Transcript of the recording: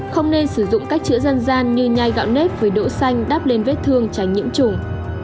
không nên sử dụng cách chữa dân gian như nhai gạo nếp với đỗ xanh đắp lên vết thương tránh nhiễm trùng